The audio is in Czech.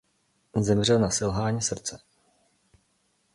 Zemřel na selhání srdce.